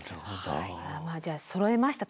じゃあそろえましたと。